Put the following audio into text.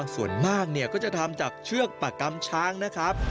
ส่วนมากก็จะทำจากเชือกปากำช้างนะครับ